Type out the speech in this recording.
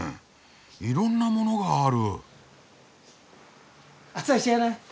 いろんなものがある。